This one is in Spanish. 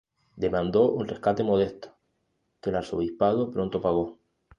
Demandó un rescate modesto, que el arzobispado pronto pagó.